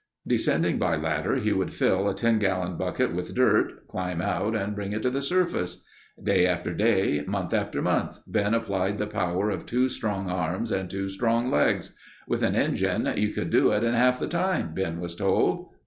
Descending by ladder he would fill a 10 gallon bucket with dirt, climb out and bring it to the surface. Day after day, month after month Ben applied the power of two strong arms and two strong legs. "With an engine you could do it in half the time," Ben was told.